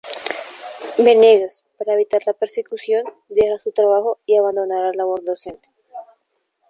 Venegas, para evitar la persecución, deja su trabajo y abandona la labor docente.